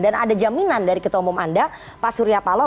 dan ada jaminan dari ketua umum anda pak suryapala